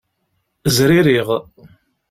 Zririɣ.